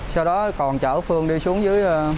sau đó còn chở phương đi xuống dưới